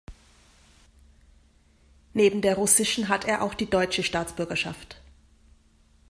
Neben der russischen hat er auch die deutsche Staatsbürgerschaft.